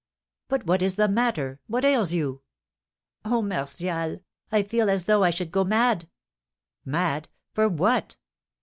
But what is the matter, what ails you?" "Oh, Martial, I feel as though I should go mad." "Mad! for what?"